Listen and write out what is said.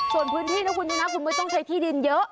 ส่วนพื้นที่นะคุณชนะคุณไม่ต้องใช้ที่ดินเยอะ